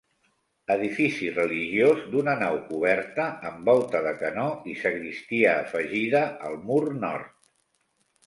Edifici religiós d'una nau coberta amb volta de canó i sagristia afegida al mur nord.